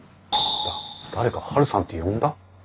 誰か「ハルさん」って呼んだ？